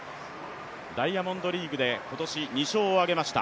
ダイヤモンドリーグで今年２勝を挙げました。